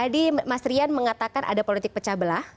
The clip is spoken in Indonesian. tadi mas rian mengatakan ada politik pecah belah